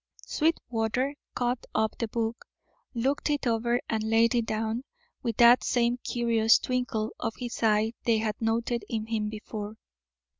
Sweetwater caught up the book, looked it over, and laid it down, with that same curious twinkle of his eye they had noted in him before.